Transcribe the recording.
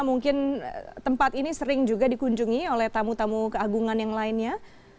mungkin tempat ini sering juga dikunjungi oleh tamu tamu keagungan yang lainnya